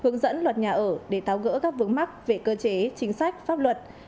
hướng dẫn luật nhà ở để tháo gỡ các vướng mắc về cơ chế chính sách pháp luật